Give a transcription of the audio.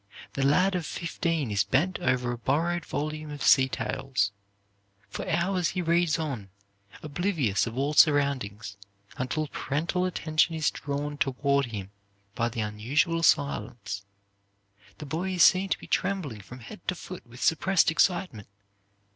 The lad of fifteen is bent over a borrowed volume of sea tales. For hours he reads on, oblivious of all surroundings, until parental attention is drawn toward him by the unusual silence. The boy is seen to be trembling from head to foot with suppressed excitement.